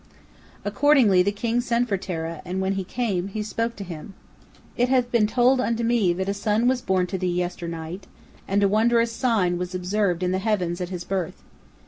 Accordingly, the king sent for Terah, and when he came, he spake to him: "It hath been told unto me that a son was born to thee yesternight, and a wondrous sign was observed in the heavens at his birth.